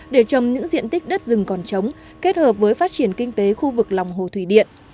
để trồng những diện tích đất rừng còn chống kết hợp với phát triển kinh tế khu vực lòng hồ thủy điện